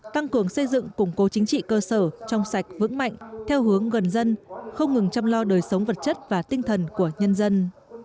tăng cường xây dựng củng cố chính trị cơ sở trong sạch vững mạnh theo hướng gần dân không ngừng chăm lo đời sống vật chất và tinh thần của nhân dân